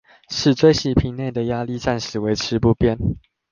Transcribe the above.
使錐形瓶內的壓力暫時維持不變